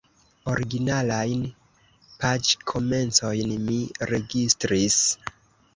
Originalajn paĝkomencojn mi registris.